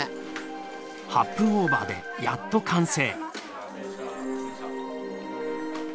８分オーバーでやっと完成。